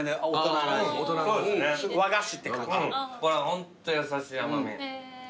ホント優しい甘味。